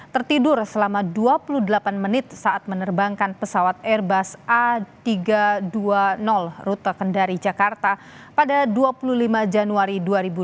tertidur selama dua puluh delapan menit saat menerbangkan pesawat airbus a tiga ratus dua puluh rute kendari jakarta pada dua puluh lima januari dua ribu dua puluh